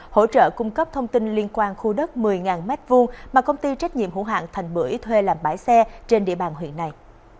hỗ trợ cung cấp thông tin liên quan khu đất một mươi m hai mà công ty trách nhiệm hữu hạng thành bưởi thuê làm bãi xe trên địa bàn huyện này